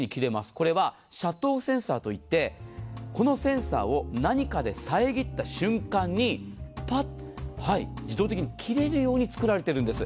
これはシャットオフセンサーといってこのセンサーを何かで遮った瞬間に自動的に切れるように作られているんです。